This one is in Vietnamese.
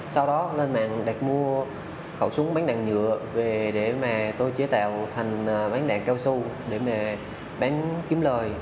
sau đó lên mạng đặt mua khẩu súng bán đạn nhựa về để mà tôi chế tạo thành bán đạn cao su để mà bán kiếm lời